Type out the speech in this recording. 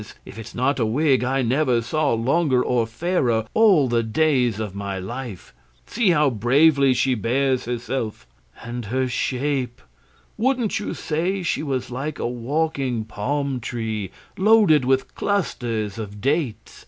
if it's not a wig, I never saw longer or fairer all the days of my life. See how bravely she bears herself and her shape! Wouldn't you say she was like a walking palm tree loaded with clusters of dates?